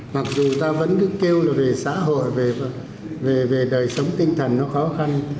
mặc dù ta vẫn cứ kêu là về xã hội về đời sống tinh thần nó khó khăn